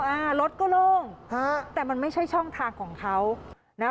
อ่ารถก็โล่งฮะแต่มันไม่ใช่ช่องทางของเขานะ